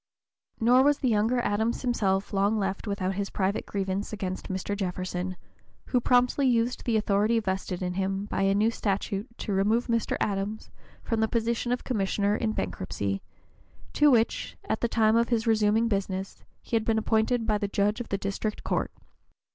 Nor was the younger Adams himself long left without his private grievance against Mr. Jefferson, who promptly used the authority vested in him by a new statute to remove Mr. Adams from the position of commissioner in bankruptcy, to which, at the time of his resuming business, he had been appointed by the judge of the district court.